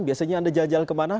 biasanya anda jalan jalan kemana